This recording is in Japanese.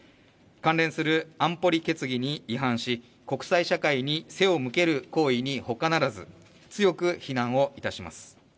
関連する安保理決議に違反し、国際社会に背を向ける行為にほかならず、強く非難をいたします。